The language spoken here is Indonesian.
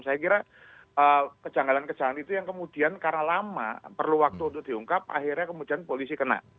saya kira kejanggalan kejanggalan itu yang kemudian karena lama perlu waktu untuk diungkap akhirnya kemudian polisi kena